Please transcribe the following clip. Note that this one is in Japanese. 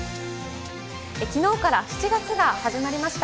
きのうから７月が始まりました。